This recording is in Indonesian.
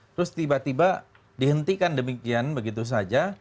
terus tiba tiba dihentikan demikian begitu saja